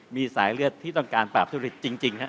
มีสายเลือดที่ต้องการปราบทุจริตจริงฮะ